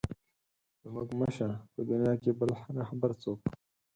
زموږ مه شه په دنیا کې بل رهبر څوک.